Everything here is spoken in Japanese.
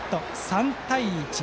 ３対１。